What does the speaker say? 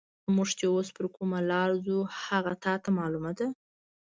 موږ چې اوس پر کومه لار ځو، هغه تا ته معلومه ده؟